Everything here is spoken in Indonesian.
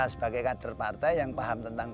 sebagai kader partai yang paham tentang